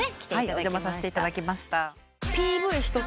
お邪魔させていただきました。